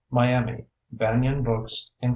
_ Miami: Banyan Books, Inc.